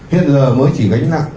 hiện giờ mới chỉ gánh lặng